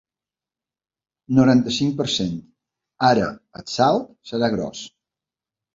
Noranta-cinc per cent Ara el salt serà gros.